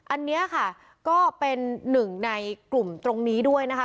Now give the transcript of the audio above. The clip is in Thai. อันนี้ค่ะก็เป็นหนึ่งในกลุ่มตรงนี้ด้วยนะคะ